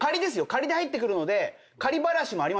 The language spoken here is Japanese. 仮で入ってくるので仮ばらしもありますよ